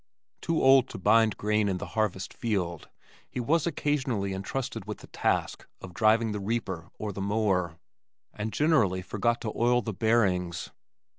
Too old to bind grain in the harvest field, he was occasionally intrusted with the task of driving the reaper or the mower and generally forgot to oil the bearings.